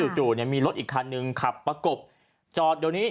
จู่มีรถอีกคันหนึ่งขับประกบจอดเดี๋ยวนี้